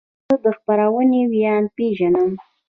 زه د خپرونې ویاند پیژنم.